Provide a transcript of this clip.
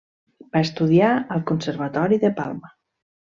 Va estudiar al Conservatori de Palma.